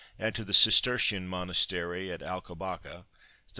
and to the Cistercian Monastery at Alcobaça (13m.